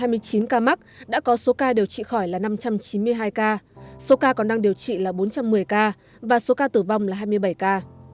trong hai mươi chín ca mắc đã có số ca điều trị khỏi là năm trăm chín mươi hai ca số ca còn đang điều trị là bốn trăm một mươi ca và số ca tử vong là hai mươi bảy ca